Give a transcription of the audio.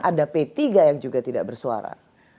ada p tiga yang juga tidak bersuara